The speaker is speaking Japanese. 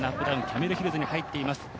ダウン、キャメルヒルズに入っています。